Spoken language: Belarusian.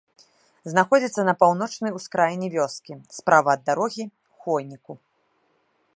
Знаходзіцца на паўночнай ускраіне вёскі, справа ад дарогі, у хвойніку.